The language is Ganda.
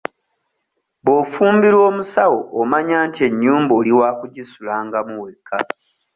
Bw'ofumbirwa omusawo omanya nti ennyumba oli wakugisulangamu wekka.